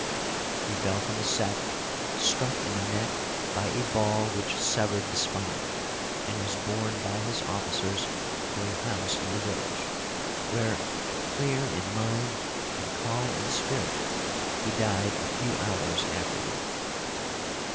He fell from the saddle, struck in the neck by a ball which severed the spine, and was borne by his officers to a house in the village, where, clear in mind and calm in spirit, he died a few hours afterward.